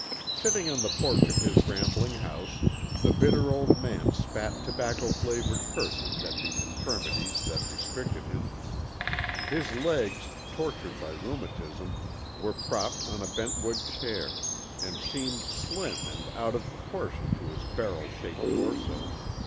Sitting on the porch of his rambling house, the bitter old man spat tobacco flavored curses at the infirmities that restricted him. His legs, tortured by rheumatism, were propped on a bentwood chair, and seemed slim and out of proportion to his barrel shaped torso.